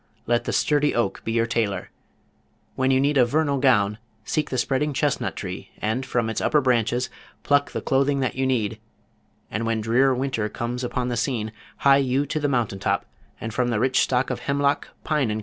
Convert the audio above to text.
Let the sturdy oak be your tailor; when you need a vernal gown, seek the spreading chestnut tree and from its upper branches pluck the clothing that you need, and when drear winter comes upon the scene hie you to the mountain top, and from the rich stock of Hemlock, Pine and Co.